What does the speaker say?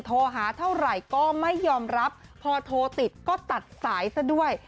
โทรหาเท่าไหร่ก็ไม่ยอมรับพอโทรติดก็ตัดสายซะด้วย